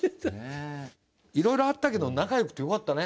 いろいろあったけど仲よくてよかったね。